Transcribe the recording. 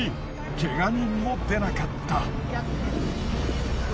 ケガ人も出なかった。